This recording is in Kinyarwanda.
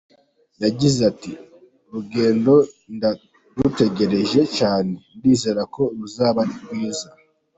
Yagize ati “Rugendo ndarutegereje cyane, ndizera ko ruzaba rwiza.